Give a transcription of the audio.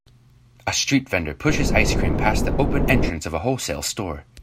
A street vendor pushes ice cream past the open entrance of a wholesale store.